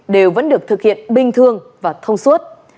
đều vẫn được thực hiện bình thường và thông suốt